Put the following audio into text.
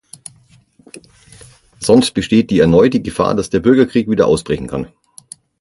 Sonst besteht die erneute Gefahr, dass der Bürgerkrieg wieder ausbrechen kann.